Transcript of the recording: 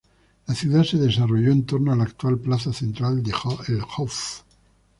La ciudad se desarrolló en torno a la actual plaza central, el "Hof".